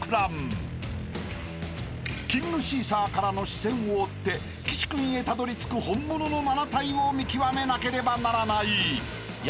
［キングシーサーからの視線を追って岸君へたどり着く本物の７体を見極めなければならない］